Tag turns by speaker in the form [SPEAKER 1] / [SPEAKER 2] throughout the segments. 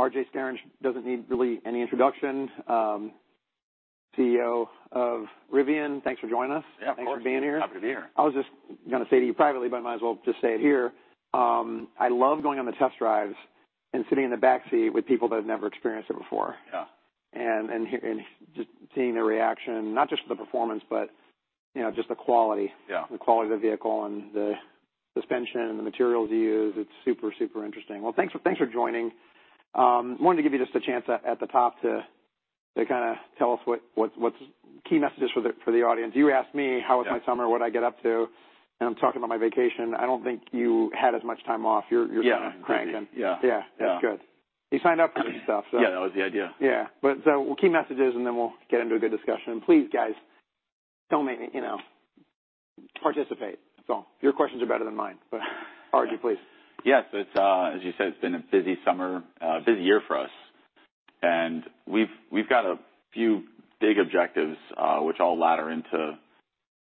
[SPEAKER 1] Okay, here we go. RJ Scaringe doesn't need really any introduction, CEO of Rivian. Thanks for joining us.
[SPEAKER 2] Yeah, of course.
[SPEAKER 1] Thanks for being here.
[SPEAKER 2] Happy to be here.
[SPEAKER 1] I was just gonna say to you privately, but I might as well just say it here: I love going on the test drives and sitting in the back seat with people that have never experienced it before.
[SPEAKER 2] Yeah.
[SPEAKER 1] Just seeing their reaction, not just to the performance, but, you know, just the quality.
[SPEAKER 2] Yeah.
[SPEAKER 1] The quality of the vehicle and the suspension and the materials you use. It's super, super interesting. Well, thanks for joining. Wanted to give you just a chance at the top to kind of tell us what's key messages for the audience. You asked me-
[SPEAKER 2] Yeah
[SPEAKER 1] How was my summer, what I get up to, and I'm talking about my vacation. I don't think you had as much time off.
[SPEAKER 2] Yeah.
[SPEAKER 1] You're kind of cranking.
[SPEAKER 2] Yeah.
[SPEAKER 1] Yeah.
[SPEAKER 2] Yeah.
[SPEAKER 1] Good. You signed up for this stuff, so-
[SPEAKER 2] Yeah, that was the idea.
[SPEAKER 1] Yeah. But so key messages, and then we'll get into a good discussion. And please, guys, tell me... You know, participate. So your questions are better than mine, but RJ, please.
[SPEAKER 2] Yes, it's, as you said, it's been a busy summer, a busy year for us. And we've got a few big objectives, which all ladder into,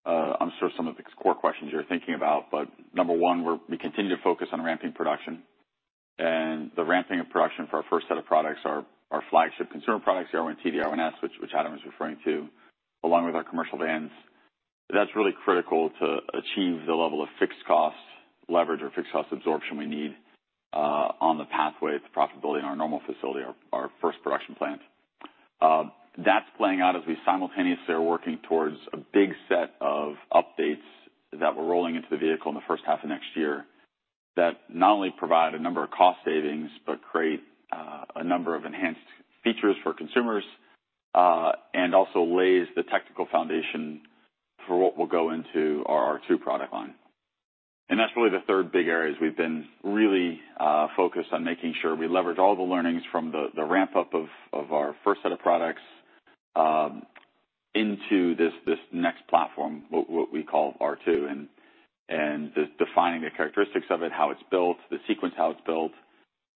[SPEAKER 2] I'm sure some of the core questions you're thinking about. But number one, we continue to focus on ramping production. And the ramping of production for our first set of products are our flagship consumer products, the R1T, R1S, which Adam is referring to, along with our commercial vans. That's really critical to achieve the level of fixed cost leverage, or fixed cost absorption we need, on the pathway to profitability in our Normal facility, our first production plant. That's playing out as we simultaneously are working towards a big set of updates that we're rolling into the vehicle in the first half of next year, that not only provide a number of cost savings, but create a number of enhanced features for consumers, and also lays the technical foundation for what will go into our R2 product line. And that's really the third big area, is we've been really focused on making sure we leverage all the learnings from the ramp-up of our first set of products into this next platform, what we call R2. And just defining the characteristics of it, how it's built, the sequence how it's built,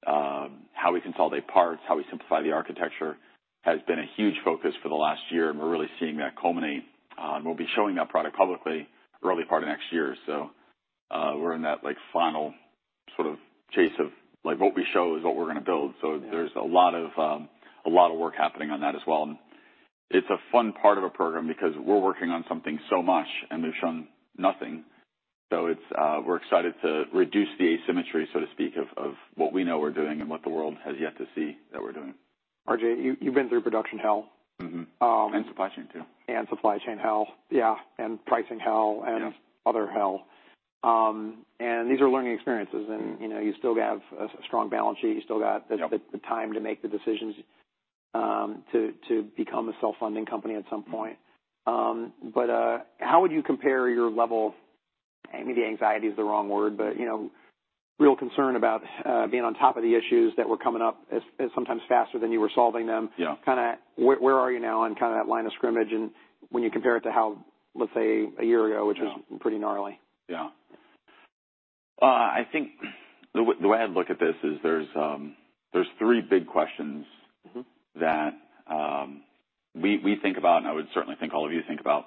[SPEAKER 2] how we consolidate parts, how we simplify the architecture, has been a huge focus for the last year, and we're really seeing that culminate. We'll be showing that product publicly early part of next year. So, we're in that, like, final sort of phase of, like, what we show is what we're going to build.
[SPEAKER 1] Yeah.
[SPEAKER 2] There's a lot of a lot of work happening on that as well. It's a fun part of a program because we're working on something so much, and we've shown nothing. It's, we're excited to reduce the asymmetry, so to speak, of, of what we know we're doing and what the world has yet to see that we're doing.
[SPEAKER 1] RJ, you've been through production hell.
[SPEAKER 2] Mm-hmm, and supply chain, too.
[SPEAKER 1] Supply chain hell. Yeah, and pricing hell-
[SPEAKER 2] Yeah...
[SPEAKER 1] and other hell. These are learning experiences, and, you know, you still have a strong balance sheet. You still got-
[SPEAKER 2] Yep
[SPEAKER 1] the time to make the decisions to become a self-funding company at some point. But how would you compare your level, maybe anxiety is the wrong word, but you know, real concern about being on top of the issues that were coming up as sometimes faster than you were solving them?
[SPEAKER 2] Yeah.
[SPEAKER 1] Kind of where, where are you now on kind of that line of scrimmage? And when you compare it to how, let's say, a year ago-
[SPEAKER 2] Yeah
[SPEAKER 1] -which was pretty gnarly.
[SPEAKER 2] Yeah. I think the way I'd look at this is there's three big questions-
[SPEAKER 1] Mm-hmm
[SPEAKER 2] that we think about, and I would certainly think all of you think about,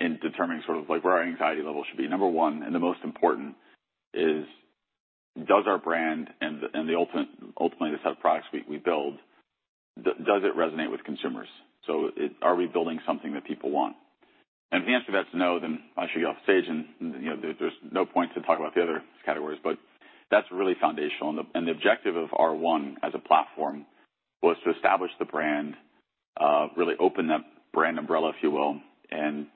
[SPEAKER 2] in determining sort of like where our anxiety level should be. Number one, and the most important, is: Does our brand and the ultimate, ultimately, the set of products we build, does it resonate with consumers? So it—are we building something that people want? And if the answer to that is no, then I should get off the stage and, you know, there's no point to talk about the other categories, but that's really foundational. And the objective of R1 as a platform was to establish the brand, really open that brand umbrella, if you will, and,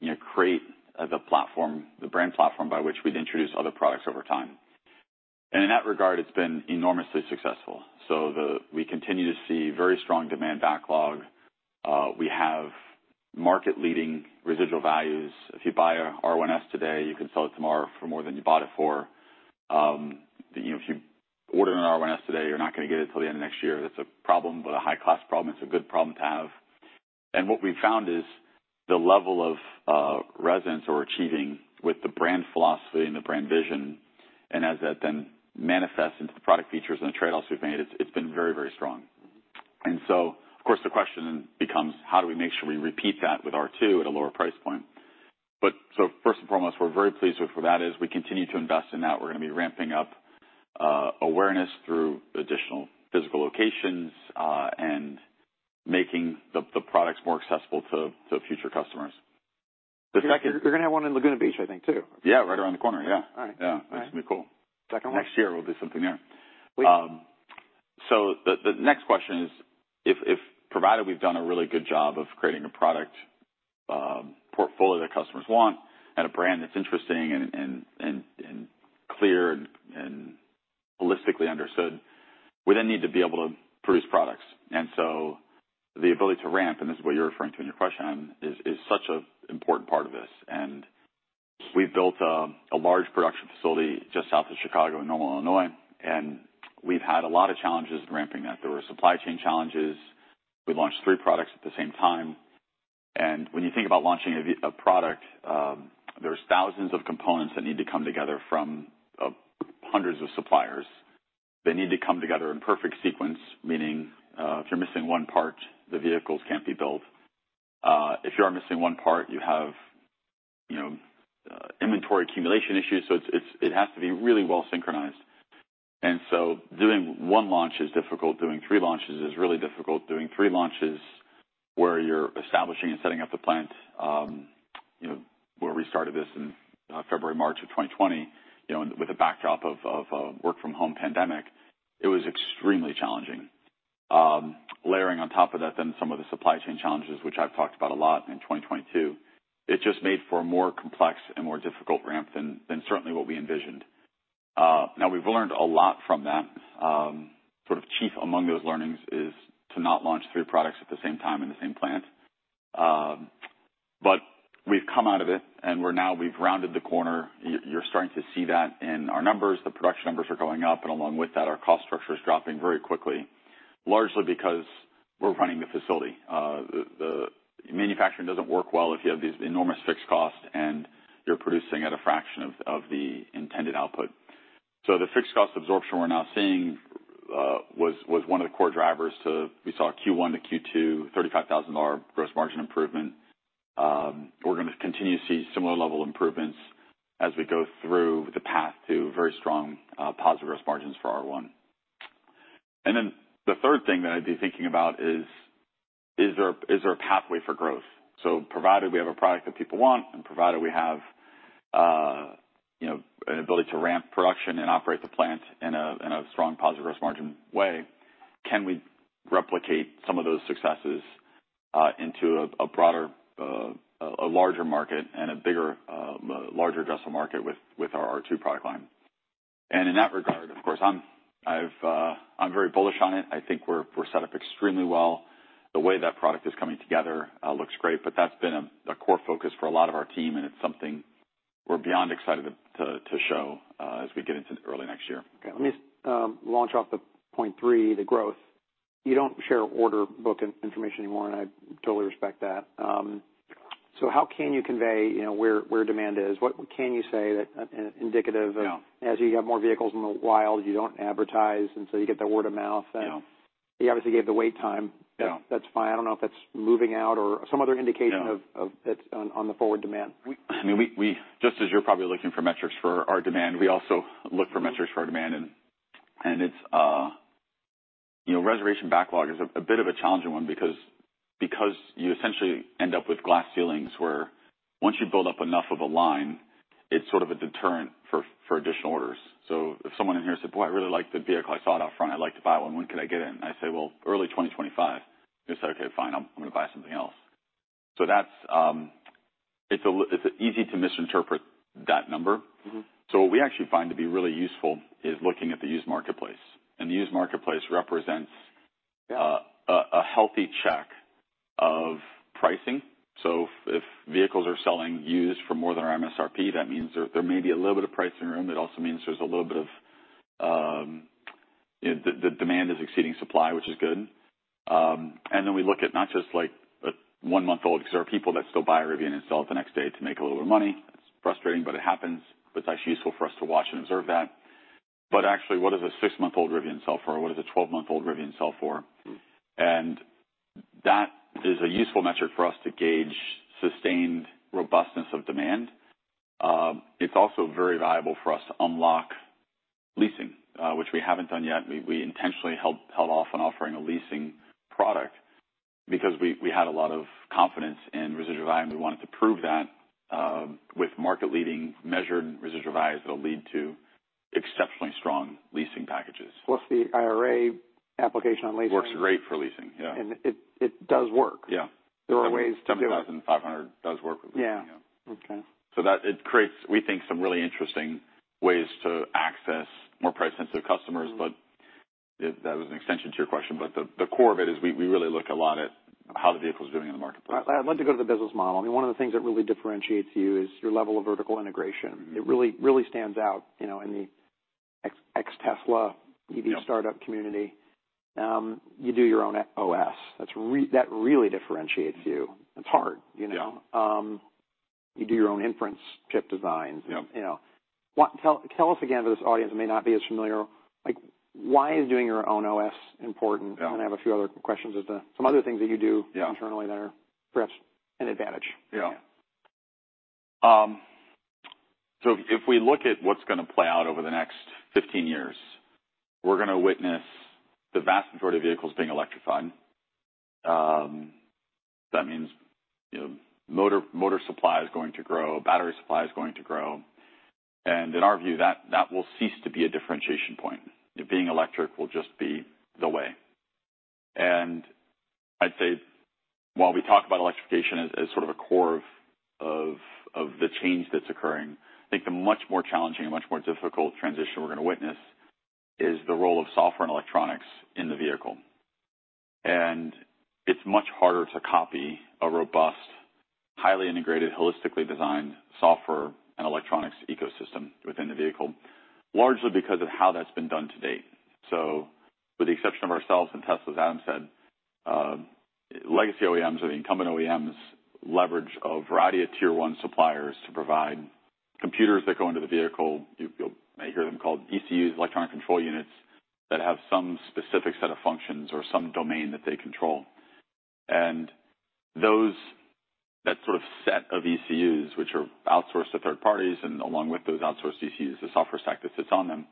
[SPEAKER 2] you know, create the platform, the brand platform by which we'd introduce other products over time. And in that regard, it's been enormously successful. So the... We continue to see very strong demand backlog. We have market-leading residual values. If you buy a R1S today, you can sell it tomorrow for more than you bought it for. You know, if you order an R1S today, you're not going to get it till the end of next year. That's a problem, but a high-class problem. It's a good problem to have. And what we've found is the level of resonance we're achieving with the brand philosophy and the brand vision, and as that then manifests into the product features and the trade-offs we've made, it's, it's been very, very strong.
[SPEAKER 1] Mm-hmm.
[SPEAKER 2] And so, of course, the question then becomes: How do we make sure we repeat that with R2 at a lower price point? But so first and foremost, we're very pleased with where that is. We continue to invest in that. We're going to be ramping up awareness through additional physical locations, and making the products more accessible to future customers. The second-
[SPEAKER 1] You're going to have one in Laguna Beach, I think, too.
[SPEAKER 2] Yeah, right around the corner. Yeah.
[SPEAKER 1] All right.
[SPEAKER 2] Yeah.
[SPEAKER 1] All right.
[SPEAKER 2] That's going to be cool.
[SPEAKER 1] Second one.
[SPEAKER 2] Next year, we'll do something there.
[SPEAKER 1] Great.
[SPEAKER 2] So the next question is: If provided we've done a really good job of creating a product portfolio that customers want and a brand that's interesting and clear and holistically understood, we then need to be able to produce products. So the ability to ramp, and this is what you're referring to in your question, Adam, is such an important part of this. And we've built a large production facility just south of Chicago, in Normal, Illinois, and we've had a lot of challenges ramping that. There were supply chain challenges. We launched three products at the same time. And when you think about launching a product, there's thousands of components that need to come together from hundreds of suppliers. They need to come together in perfect sequence, meaning, if you're missing one part, the vehicles can't be built. If you are missing one part, you have, you know, inventory accumulation issues, so it's, it has to be really well synchronized. And so doing one launch is difficult. Doing three launches is really difficult. Doing three launches where you're establishing and setting up the plant, you know, where we started this in February, March of 2020, you know, with a backdrop of work from home pandemic, it was extremely challenging. Layering on top of that then some of the supply chain challenges, which I've talked about a lot in 2022, it just made for a more complex and more difficult ramp than certainly what we envisioned. Now we've learned a lot from that. Sort of chief among those learnings is to not launch three products at the same time in the same plant. But we've come out of it, and we're now. We've rounded the corner. You're starting to see that in our numbers. The production numbers are going up, and along with that, our cost structure is dropping very quickly, largely because we're running the facility. The manufacturing doesn't work well if you have these enormous fixed costs and you're producing at a fraction of the intended output. So the fixed cost absorption we're now seeing was one of the core drivers to. We saw Q1 to Q2, $35,000 gross margin improvement. We're gonna continue to see similar level improvements as we go through the path to very strong, positive gross margins for R1. Then the third thing that I'd be thinking about is, is there a pathway for growth? So provided we have a product that people want, and provided we have, you know, an ability to ramp production and operate the plant in a strong, positive gross margin way, can we replicate some of those successes into a broader, larger market and a bigger, larger addressable market with our R2 product line? And in that regard, of course, I'm very bullish on it. I think we're set up extremely well. The way that product is coming together looks great, but that's been a core focus for a lot of our team, and it's something we're beyond excited to show as we get into early next year.
[SPEAKER 1] Okay, let me launch off the point three, the growth. You don't share order book information anymore, and I totally respect that. So how can you convey, you know, where demand is? What can you say that indicative of-
[SPEAKER 2] Yeah.
[SPEAKER 1] as you have more vehicles in the wild, you don't advertise, and so you get the word of mouth.
[SPEAKER 2] Yeah.
[SPEAKER 1] You obviously gave the wait time.
[SPEAKER 2] Yeah.
[SPEAKER 1] That's fine. I don't know if that's moving out or some other indication of-
[SPEAKER 2] Yeah...
[SPEAKER 1] of that on the forward demand.
[SPEAKER 2] I mean, we just as you're probably looking for metrics for our demand, we also look for metrics for our demand. And it's, you know, reservation backlog is a bit of a challenging one because you essentially end up with glass ceilings, where once you build up enough of a line, it's sort of a deterrent for additional orders. So if someone in here said, "Boy, I really like the vehicle. I saw it out front. I'd like to buy one. When can I get it?" And I say, "Well, early 2025." They say, "Okay, fine, I'm gonna buy something else." So that's... It's easy to misinterpret that number.
[SPEAKER 1] Mm-hmm.
[SPEAKER 2] What we actually find to be really useful is looking at the used marketplace, and the used marketplace represents-
[SPEAKER 1] Yeah
[SPEAKER 2] A healthy check of pricing. So if vehicles are selling used for more than our MSRP, that means there may be a little bit of pricing room. It also means there's a little bit of, You know, the demand is exceeding supply, which is good. And then we look at not just, like, a 1-month-old, because there are people that still buy a Rivian and sell it the next day to make a little bit of money. It's frustrating, but it happens. It's actually useful for us to watch and observe that. But actually, what does a 6-month-old Rivian sell for? What does a 12-month-old Rivian sell for?
[SPEAKER 1] Mm.
[SPEAKER 2] That is a useful metric for us to gauge sustained robustness of demand. It's also very valuable for us to unlock leasing, which we haven't done yet. We intentionally held off on offering a leasing product because we had a lot of confidence in residual value, and we wanted to prove that, with market-leading measured residual values that'll lead to exceptionally strong leasing packages.
[SPEAKER 1] Plus, the IRA application on leasing-
[SPEAKER 2] Works great for leasing, yeah.
[SPEAKER 1] It does work.
[SPEAKER 2] Yeah.
[SPEAKER 1] There are ways to do it.
[SPEAKER 2] $7,500 does work with leasing.
[SPEAKER 1] Yeah.
[SPEAKER 2] Yeah.
[SPEAKER 1] Okay.
[SPEAKER 2] So it creates, we think, some really interesting ways to access more price-sensitive customers.
[SPEAKER 1] Mm.
[SPEAKER 2] But that was an extension to your question, but the core of it is we really look a lot at how the vehicle is doing in the marketplace.
[SPEAKER 1] I'd like to go to the business model. I mean, one of the things that really differentiates you is your level of vertical integration.
[SPEAKER 2] Mm-hmm.
[SPEAKER 1] It really, really stands out, you know, in the ex-Tesla-
[SPEAKER 2] Yeah...
[SPEAKER 1] EV startup community. You do your own OS. That's really differentiates you. It's hard, you know?
[SPEAKER 2] Yeah.
[SPEAKER 1] You do your own inference chip designs.
[SPEAKER 2] Yep.
[SPEAKER 1] You know, tell us again, for this audience that may not be as familiar, like, why is doing your own OS important?
[SPEAKER 2] Yeah.
[SPEAKER 1] I have a few other questions as to some other things that you do-
[SPEAKER 2] Yeah
[SPEAKER 1] internally that are perhaps an advantage.
[SPEAKER 2] Yeah.
[SPEAKER 1] Yeah.
[SPEAKER 2] So if we look at what's gonna play out over the next 15 years, we're gonna witness the vast majority of vehicles being electrified. That means, you know, motor, motor supply is going to grow, battery supply is going to grow, and in our view, that, that will cease to be a differentiation point. Being electric will just be the way. And I'd say, while we talk about electrification as, as sort of a core of, of, of the change that's occurring, I think the much more challenging and much more difficult transition we're gonna witness is the role of software and electronics in the vehicle. And it's much harder to copy a robust, highly integrated, holistically designed software and electronics ecosystem within the vehicle, largely because of how that's been done to date. So with the exception of ourselves and Tesla, as Adam said, legacy OEMs or the incumbent OEMs leverage a variety of Tier 1 suppliers to provide computers that go into the vehicle. May hear them called ECUs, electronic control units, that have some specific set of functions or some domain that they control. And that sort of set of ECUs, which are outsourced to third parties, and along with those outsourced ECUs, the software stack that sits on them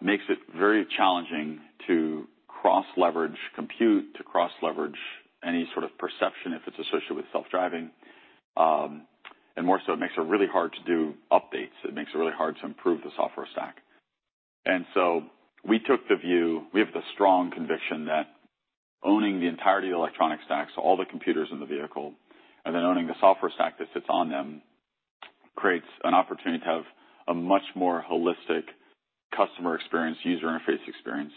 [SPEAKER 2] makes it very challenging to cross-leverage compute, to cross-leverage any sort of perception if it's associated with self-driving. And more so, it makes it really hard to do updates. It makes it really hard to improve the software stack. We took the view, we have the strong conviction that owning the entirety of the electronic stack, so all the computers in the vehicle, and then owning the software stack that sits on them, creates an opportunity to have a much more holistic customer experience, user interface experience,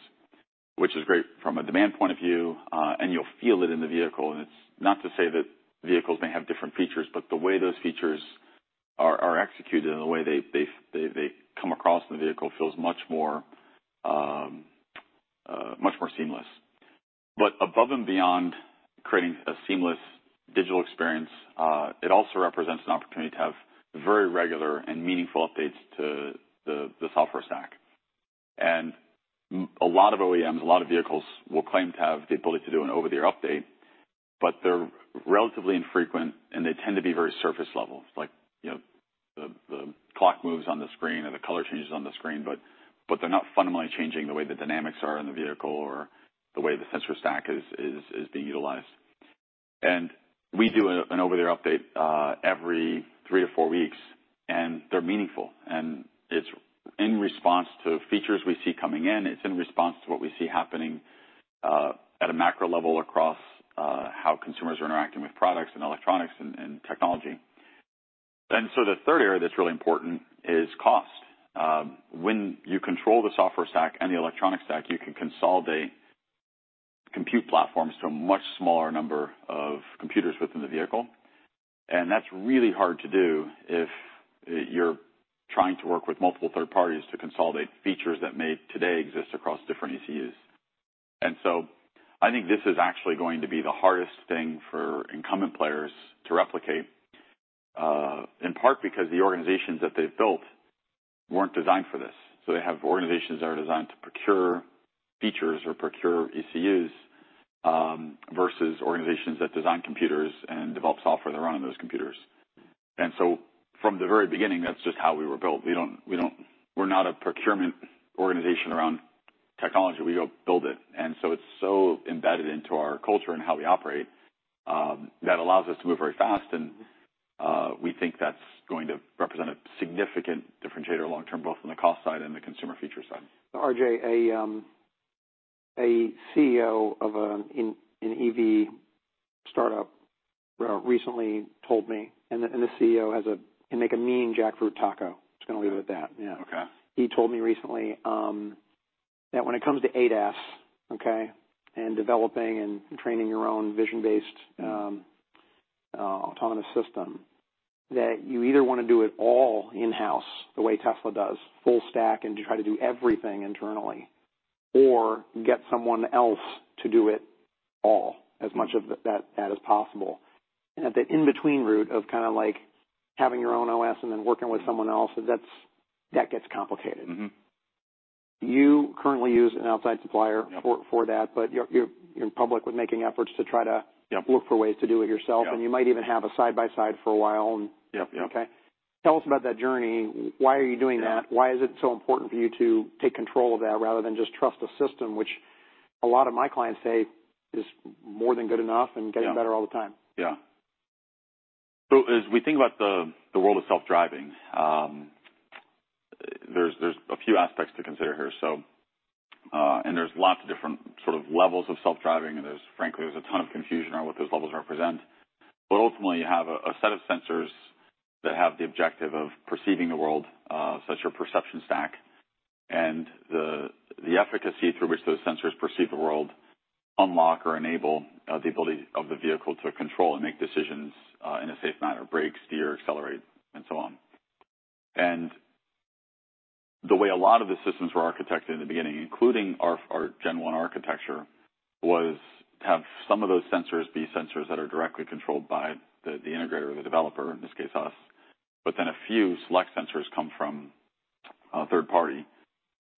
[SPEAKER 2] which is great from a demand point of view, and you'll feel it in the vehicle. It's not to say that vehicles may have different features, but the way those features are executed and the way they come across in the vehicle feels much more seamless. But above and beyond creating a seamless digital experience, it also represents an opportunity to have very regular and meaningful updates to the software stack. A lot of OEMs, a lot of vehicles will claim to have the ability to do an over-the-air update, but they're relatively infrequent, and they tend to be very surface-level. Like, you know, the clock moves on the screen or the color changes on the screen, but they're not fundamentally changing the way the dynamics are in the vehicle or the way the sensor stack is being utilized. We do an over-the-air update every 3-4 weeks, and they're meaningful, and it's in response to features we see coming in. It's in response to what we see happening at a macro level across how consumers are interacting with products and electronics and technology. So the third area that's really important is cost. When you control the software stack and the electronic stack, you can consolidate compute platforms to a much smaller number of computers within the vehicle, and that's really hard to do if you're trying to work with multiple third parties to consolidate features that may today exist across different ECUs. And so I think this is actually going to be the hardest thing for incumbent players to replicate, in part because the organizations that they've built weren't designed for this. So they have organizations that are designed to procure features or procure ECUs, versus organizations that design computers and develop software to run on those computers. And so from the very beginning, that's just how we were built. We don't. We're not a procurement organization around technology. We go build it. So it's so embedded into our culture and how we operate that allows us to move very fast, and we think that's going to represent a significant differentiator long term, both on the cost side and the consumer feature side.
[SPEAKER 1] RJ, a CEO of an EV startup recently told me... And the CEO can make a mean jackfruit taco. Just gonna leave it at that, you know?
[SPEAKER 2] Okay.
[SPEAKER 1] He told me recently, that when it comes to ADAS, and developing and training your own vision-based, autonomous system, that you either wanna do it all in-house, the way Tesla does, full stack, and try to do everything internally, or get someone else to do it all, as much of that as possible. And at the in-between route of kind of like having your own OS and then working with someone else, that's that gets complicated.
[SPEAKER 2] Mm-hmm.
[SPEAKER 1] You currently use an outside supplier-
[SPEAKER 2] Yep.
[SPEAKER 1] for that, but you're public with making efforts to try to-
[SPEAKER 2] Yep.
[SPEAKER 1] Look for ways to do it yourself.
[SPEAKER 2] Yep.
[SPEAKER 1] You might even have a side by side for a while, and-
[SPEAKER 2] Yep. Yep.
[SPEAKER 1] Okay. Tell us about that journey. Why are you doing that?
[SPEAKER 2] Yeah.
[SPEAKER 1] Why is it so important for you to take control of that, rather than just trust the system, which a lot of my clients say is more than good enough?
[SPEAKER 2] Yeah.
[SPEAKER 1] and getting better all the time?
[SPEAKER 2] Yeah. So as we think about the world of self-driving, there's a few aspects to consider here, so... And there's lots of different sort of levels of self-driving, and there's, frankly, a ton of confusion around what those levels represent. But ultimately, you have a set of sensors that have the objective of perceiving the world, such a perception stack, and the efficacy through which those sensors perceive the world unlock or enable the ability of the vehicle to control and make decisions in a safe manner, brake, steer, accelerate, and so on. The way a lot of the systems were architected in the beginning, including our Gen 1 architecture, was to have some of those sensors be sensors that are directly controlled by the integrator or the developer, in this case, us, but then a few select sensors come from a third party.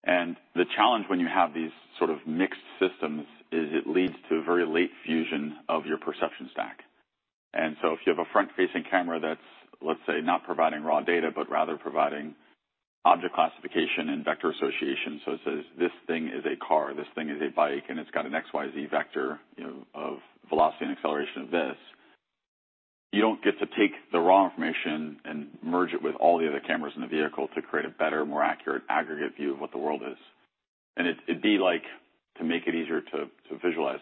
[SPEAKER 2] The challenge when you have these sort of mixed systems is it leads to a very late fusion of your perception stack. So if you have a front-facing camera that's, let's say, not providing raw data, but rather providing object classification and vector association, so it says, "This thing is a car. This thing is a bike, and it's got an XYZ vector, you know, of velocity and acceleration of this. You don't get to take the raw information and merge it with all the other cameras in the vehicle to create a better, more accurate, aggregate view of what the world is. And it'd be like, to make it easier to visualize,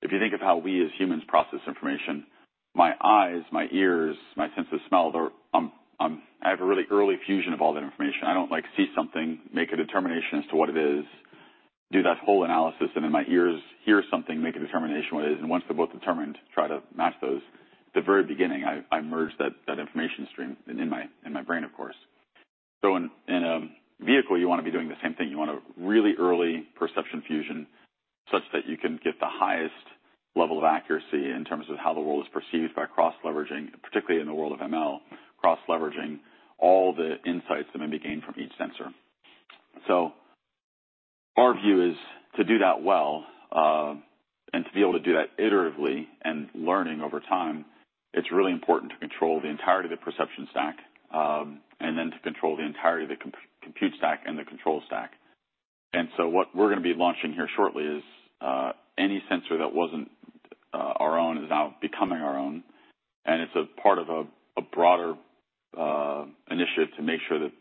[SPEAKER 2] if you think of how we as humans process information, my eyes, my ears, my sense of smell, they're. I have a really early fusion of all that information. I don't, like, see something, make a determination as to what it is, do that whole analysis, and then my ears hear something, make a determination what it is, and once they're both determined, try to match those. At the very beginning, I merge that mainstream and in my brain, of course. So in a vehicle, you want to be doing the same thing. You want a really early perception fusion, such that you can get the highest level of accuracy in terms of how the world is perceived by cross-leveraging, particularly in the world of ML, cross-leveraging all the insights that may be gained from each sensor. So our view is to do that well, and to be able to do that iteratively and learning over time, it's really important to control the entirety of the perception stack, and then to control the entirety of the compute stack and the control stack. What we're going to be launching here shortly is any sensor that wasn't our own is now becoming our own, and it's a part of a broader initiative to make sure that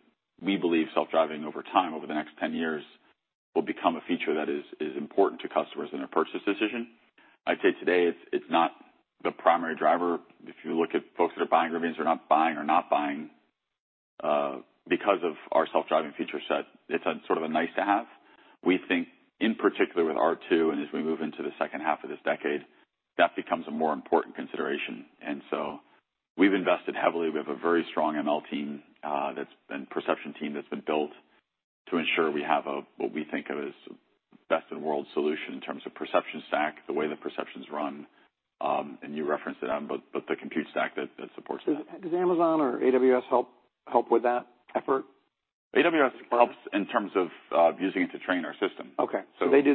[SPEAKER 2] we believe self-driving over time, over the next 10 years, will become a feature that is important to customers in their purchase decision. I'd say today, it's not the primary driver. If you look at folks that are buying Rivians, they're not buying or not buying because of our self-driving feature set. It's a sort of a nice-to-have. We think, in particular with R2, and as we move into the second half of this decade, that becomes a more important consideration. We've invested heavily. We have a very strong ML team that's... perception team that's been built to ensure we have a what we think of as best-in-the-world solution in terms of perception stack, the way the perception's run, and you referenced it, but the compute stack that supports that.
[SPEAKER 1] Does Amazon or AWS help with that effort?
[SPEAKER 2] AWS helps in terms of, using it to train our system.
[SPEAKER 1] Okay.
[SPEAKER 2] So-
[SPEAKER 1] So they do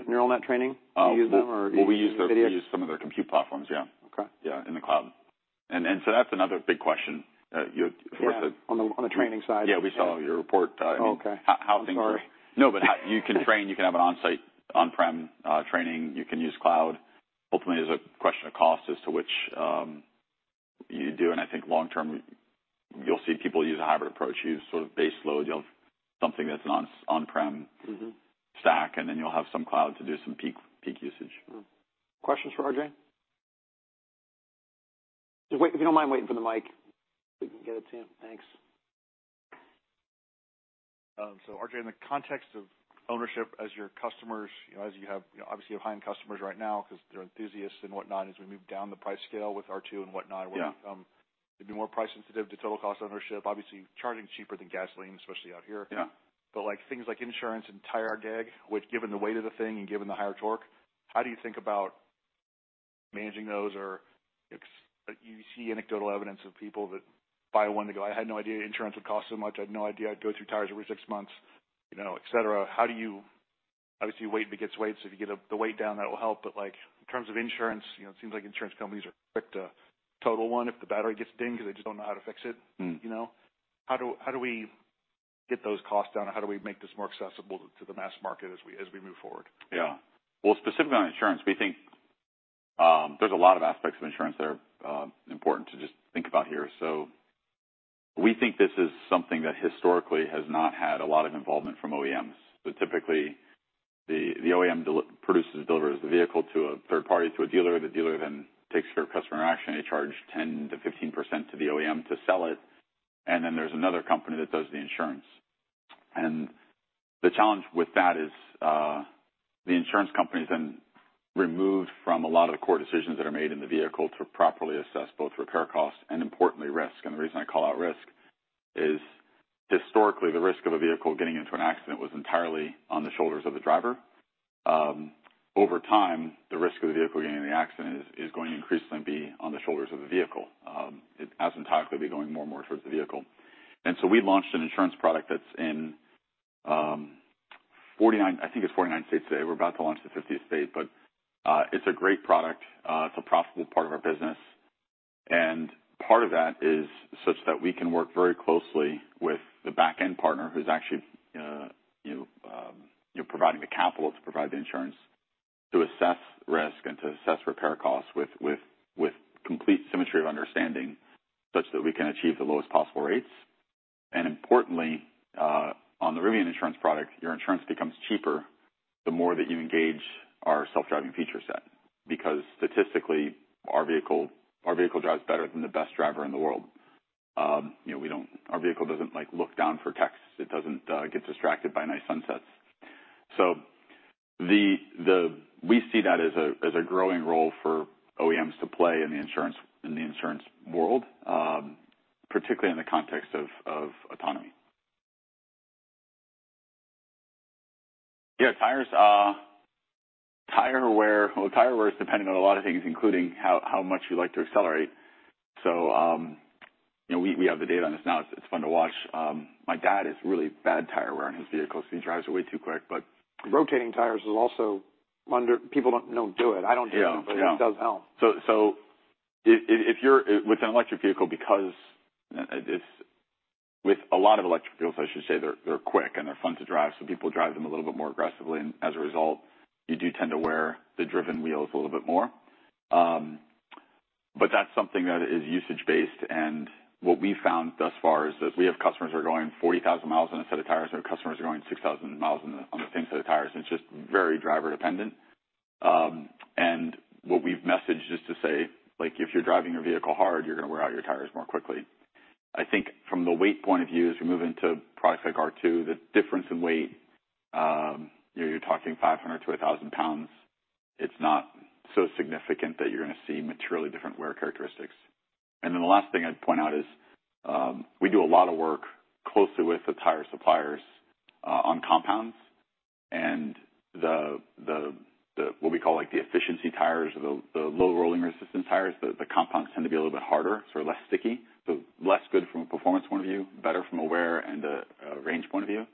[SPEAKER 1] the neural net training?
[SPEAKER 2] Uh, well-
[SPEAKER 1] You use them, or-
[SPEAKER 2] Well, we use their-
[SPEAKER 1] Use some of their-
[SPEAKER 2] We use some of their compute platforms, yeah.
[SPEAKER 1] Okay.
[SPEAKER 2] Yeah, in the cloud. And so that's another big question, you-
[SPEAKER 1] Yeah.
[SPEAKER 2] For us to—
[SPEAKER 1] On the training side.
[SPEAKER 2] Yeah, we saw your report, I mean-
[SPEAKER 1] Okay.
[SPEAKER 2] How things are-
[SPEAKER 1] I'm sorry.
[SPEAKER 2] No, but how... You can train, you can have an on-site, on-prem training, you can use cloud. Ultimately, there's a question of cost as to which you do, and I think long term, you'll see people use a hybrid approach. Use sort of base load, you'll have something that's an on-prem-
[SPEAKER 1] Mm-hmm...
[SPEAKER 2] stack, and then you'll have some cloud to do some peak, peak usage.
[SPEAKER 1] Mm-hmm. Questions for RJ? Just wait. If you don't mind waiting for the mic, we can get it to you. Thanks.
[SPEAKER 3] So RJ, in the context of ownership as your customers, you know, as you have, you know, obviously, you have high-end customers right now because they're enthusiasts and whatnot. As we move down the price scale with R2 and whatnot-
[SPEAKER 2] Yeah...
[SPEAKER 3] where they become, they'd be more price sensitive to total cost ownership. Obviously, charging is cheaper than gasoline, especially out here.
[SPEAKER 2] Yeah.
[SPEAKER 3] But like, things like insurance and tire wear, with, given the weight of the thing and given the higher torque, how do you think about managing those? Or, you see anecdotal evidence of people that buy one, they go: "I had no idea insurance would cost so much. I had no idea I'd go through tires every six months," you know, et cetera. How do you... Obviously, weight begets weight, so if you get the weight down, that will help. But, like, in terms of insurance, you know, it seems like insurance companies are quick to total one if the battery gets dinged, because they just don't know how to fix it.
[SPEAKER 2] Mm.
[SPEAKER 3] You know, how do we get those costs down, and how do we make this more accessible to the mass market as we move forward?
[SPEAKER 2] Yeah. Well, specifically on insurance, we think, there's a lot of aspects of insurance that are important to just think about here. So we think this is something that historically has not had a lot of involvement from OEMs. So typically, the OEM produces, delivers the vehicle to a third party, to a dealer. The dealer then takes care of customer interaction. They charge 10%-15% to the OEM to sell it, and then there's another company that does the insurance. And the challenge with that is, the insurance company is then removed from a lot of the core decisions that are made in the vehicle to properly assess both repair costs and, importantly, risk. And the reason I call out risk is, historically, the risk of a vehicle getting into an accident was entirely on the shoulders of the driver. Over time, the risk of the vehicle getting in the accident is going to increasingly be on the shoulders of the vehicle. It asymptotically be going more and more towards the vehicle. And so we launched an insurance product that's in 49, I think it's 49 states today. We're about to launch the 50th state, but it's a great product. It's a profitable part of our business, and part of that is such that we can work very closely with the back-end partner who's actually you know, you know, providing the capital to provide the insurance, to assess risk and to assess repair costs with complete symmetry of understanding, such that we can achieve the lowest possible rates. Importantly, on the Rivian insurance product, your insurance becomes cheaper the more that you engage our self-driving feature set, because statistically, our vehicle, our vehicle drives better than the best driver in the world. You know, we don't. Our vehicle doesn't, like, look down for texts. It doesn't get distracted by nice sunsets. So we see that as a growing role for OEMs to play in the insurance world, particularly in the context of autonomy. Yeah, tires, tire wear. Well, tire wear is dependent on a lot of things, including how much you like to accelerate. So, you know, we have the data on this now. It's fun to watch. My dad has really bad tire wear on his vehicles. He drives way too quick, but-
[SPEAKER 1] Rotating tires is also under-- people don't, don't do it. I don't do it.
[SPEAKER 2] Yeah. Yeah.
[SPEAKER 1] But it does help.
[SPEAKER 2] So, with a lot of electric vehicles, I should say, they're quick and they're fun to drive, so people drive them a little bit more aggressively, and as a result, you do tend to wear the driven wheels a little bit more. But that's something that is usage-based, and what we've found thus far is that we have customers who are going 40,000 miles on a set of tires, and we have customers who are going 6,000 miles on the same set of tires, and it's just very driver dependent. And what we've messaged is to say, like, if you're driving your vehicle hard, you're going to wear out your tires more quickly. I think from the weight point of view, as we move into products like R2, the difference in weight, you know, you're talking 500-1,000 lbs. It's not so significant that you're gonna see materially different wear characteristics. And then the last thing I'd point out is, we do a lot of work closely with the tire suppliers, on compounds and the what we call, like, the efficiency tires or the low rolling resistance tires, the compounds tend to be a little bit harder, so less sticky. So less good from a performance point of view, better from a wear and a range point of view.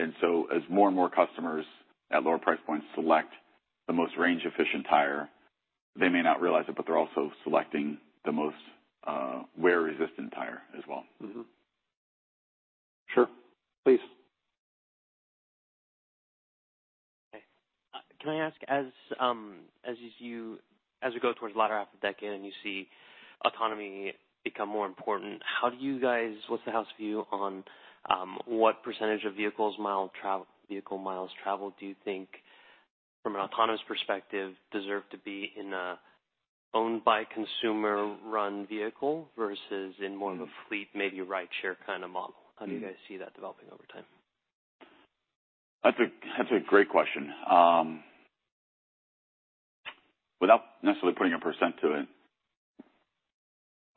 [SPEAKER 2] And so as more and more customers at lower price points select the most range-efficient tire, they may not realize it, but they're also selecting the most wear-resistant tire as well.
[SPEAKER 1] Mm-hmm. Sure, please.
[SPEAKER 4] Okay. Can I ask, as we go towards the latter half of the decade and you see autonomy become more important, how do you guys see the house view on what percentage of vehicle miles traveled, do you think from an autonomous perspective, deserve to be in a owned by consumer-run vehicle versus in more of a fleet, maybe rideshare kind of model? How do you guys see that developing over time?
[SPEAKER 2] That's a great question. Without necessarily putting a percent to it,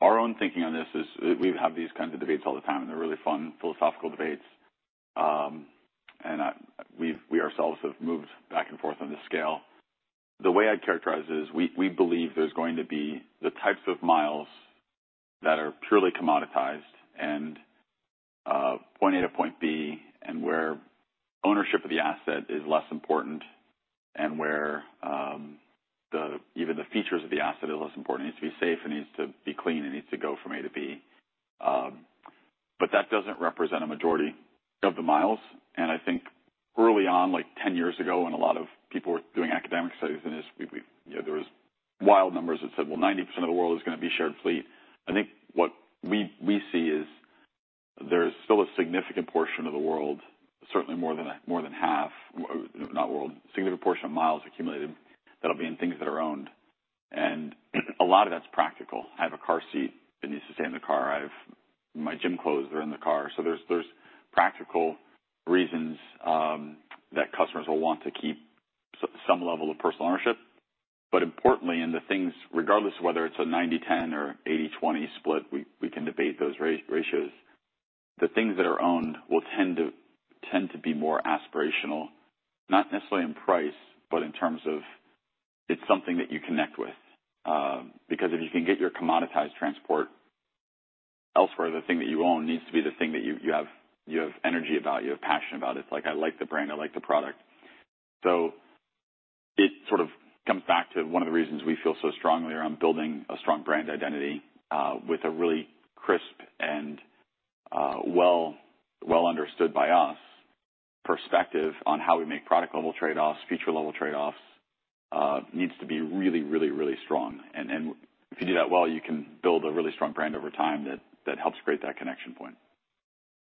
[SPEAKER 2] our own thinking on this is, we have these kinds of debates all the time, and they're really fun, philosophical debates. And we ourselves have moved back and forth on the scale. The way I'd characterize it is we believe there's going to be the types of miles that are purely commoditized and point A to point B, and where ownership of the asset is less important and where even the features of the asset are less important. It needs to be safe, it needs to be clean, it needs to go from A to B. But that doesn't represent a majority of the miles. And I think early on, like 10 years ago, when a lot of people were doing academic studies in this, we you know, there was wild numbers that said, "Well, 90% of the world is gonna be shared fleet." I think what we see is there's still a significant portion of the world, certainly more than more than half, not world, a significant portion of miles accumulated that'll be in things that are owned. And a lot of that's practical. I have a car seat that needs to stay in the car. I've my gym clothes are in the car. So there's there's practical reasons that customers will want to keep some level of personal ownership. But importantly, and the things, regardless of whether it's a 90-10 or 80-20 split, we we can debate those ratios. The things that are owned will tend to be more aspirational, not necessarily in price, but in terms of it's something that you connect with. Because if you can get your commoditized transport elsewhere, the thing that you own needs to be the thing that you have energy about, you have passion about. It's like, I like the brand, I like the product. So it sort of comes back to one of the reasons we feel so strongly around building a strong brand identity, with a really crisp and well understood by us perspective on how we make product-level trade-offs, feature-level trade-offs, needs to be really, really, really strong. And then if you do that well, you can build a really strong brand over time that helps create that connection point.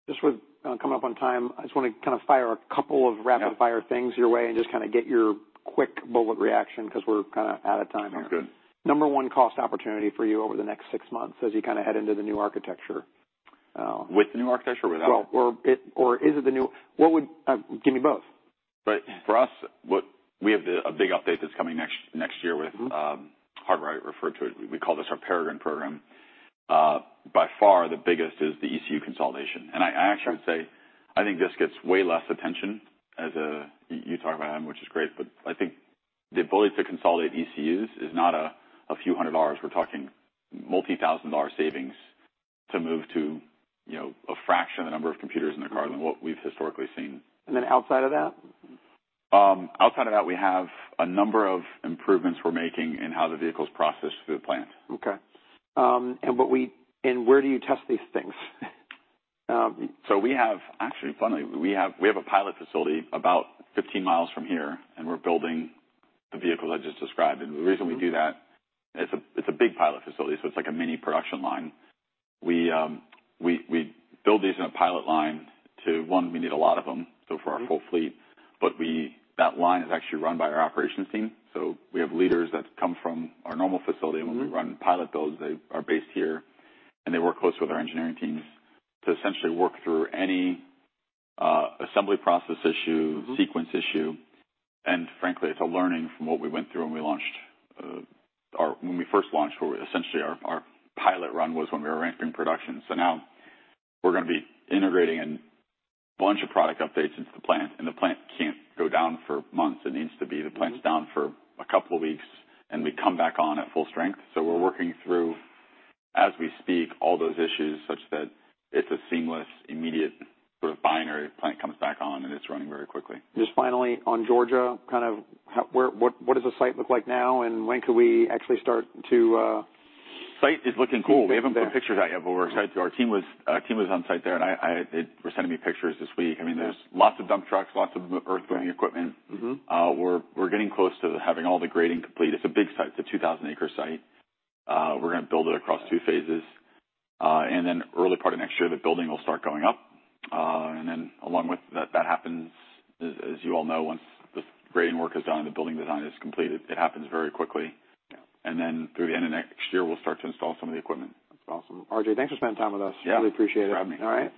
[SPEAKER 1] Just with, coming up on time, I just want to kind of fire a couple of rapid-
[SPEAKER 2] Yeah
[SPEAKER 1] Fire things your way and just kind of get your quick bullet reaction, 'cause we're kind of out of time here.
[SPEAKER 2] Sounds good.
[SPEAKER 1] Number 1 cost opportunity for you over the next 6 months as you kind of head into the new architecture,
[SPEAKER 2] With the new architecture or without it?
[SPEAKER 1] Well, or is it the new...? What would... Give me both.
[SPEAKER 2] Right. For us, what we have, a big update that's coming next year with-
[SPEAKER 1] Mm-hmm
[SPEAKER 2] Hardware, I refer to it. We call this our Peregrine program. By far, the biggest is the ECU consolidation.
[SPEAKER 1] Sure.
[SPEAKER 2] I actually would say, I think this gets way less attention as a... You talk about it, which is great, but I think the ability to consolidate ECUs is not a few hundred dollars. We're talking multi-thousand dollar savings to move to, you know, a fraction of the number of computers in the car than what we've historically seen.
[SPEAKER 1] And then outside of that?
[SPEAKER 2] Outside of that, we have a number of improvements we're making in how the vehicle's processed through the plant.
[SPEAKER 1] Okay. And where do you test these things?
[SPEAKER 2] So we have, actually, funnily, a pilot facility about 15 miles from here, and we're building the vehicle I just described.
[SPEAKER 1] Mm-hmm.
[SPEAKER 2] The reason we do that, it's a big pilot facility, so it's like a mini production line. We build these in a pilot line to, one, we need a lot of them-
[SPEAKER 1] Mm-hmm
[SPEAKER 2] So for our full fleet. But that line is actually run by our operations team. So we have leaders that come from our Normal facility.
[SPEAKER 1] Mm-hmm
[SPEAKER 2] when we run pilot builds, they are based here, and they work close with our engineering teams to essentially work through any assembly process issue.
[SPEAKER 1] Mm-hmm
[SPEAKER 2] sequence issue. Frankly, it's a learning from what we went through when we launched, when we first launched, where essentially our pilot run was when we were ramping production. So now we're gonna be integrating a bunch of product updates into the plant, and the plant can't go down for months. It needs to be-
[SPEAKER 1] Mm-hmm
[SPEAKER 2] The plant's down for a couple of weeks, and we come back on at full strength. So we're working through, as we speak, all those issues such that it's a seamless, immediate sort of binary plant comes back on and it's running very quickly.
[SPEAKER 1] Just finally, on Georgia, kind of how, where, what, what does the site look like now, and when could we actually start to,
[SPEAKER 2] Site is looking cool.
[SPEAKER 1] Great.
[SPEAKER 2] We haven't put pictures out yet, but we're excited. Our team was on site there, and they were sending me pictures this week.
[SPEAKER 1] Yeah.
[SPEAKER 2] I mean, there's lots of dump trucks, lots of earth-
[SPEAKER 1] Right
[SPEAKER 2] -moving equipment.
[SPEAKER 1] Mm-hmm.
[SPEAKER 2] We're getting close to having all the grading complete. It's a big site. It's a 2,000-acre site. We're gonna build it across two phases. And then early part of next year, the building will start going up. And then along with that, that happens, as you all know, once the grading work is done and the building design is completed, it happens very quickly.
[SPEAKER 1] Yeah.
[SPEAKER 2] And then through the end of next year, we'll start to install some of the equipment.
[SPEAKER 1] That's awesome. RJ, thanks for spending time with us.
[SPEAKER 2] Yeah.
[SPEAKER 1] Really appreciate it.
[SPEAKER 2] Gladly.
[SPEAKER 1] All right.